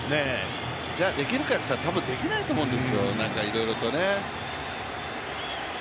じゃできるかって言ったらできないと思うんですよ、何かいろいろとね。